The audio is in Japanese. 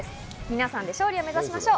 皆さんで勝利を目指しましょう。